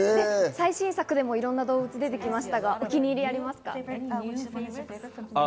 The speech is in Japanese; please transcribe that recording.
最新作でもいろいろな動物が出てきましたけれども、お気に入りはありますか？